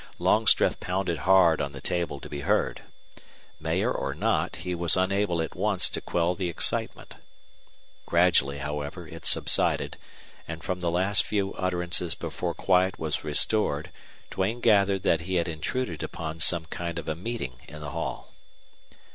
Longstreth pounded hard on the table to be heard. Mayor or not, he was unable at once to quell the excitement. Gradually, however, it subsided, and from the last few utterances before quiet was restored Duane gathered that he had intruded upon some kind of a meeting in the hall.